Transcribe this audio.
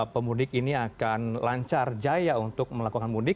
pemudik ini akan lancar jaya untuk melakukan mudik